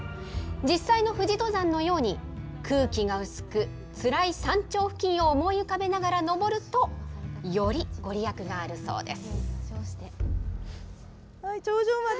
実際の富士登山のように、空気が薄く、つらい山頂付近を思い浮かべながら登ると、より御利益があるそうです。